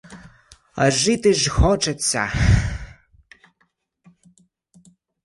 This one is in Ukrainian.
А жити ж хочеться.